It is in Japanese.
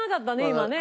今ね。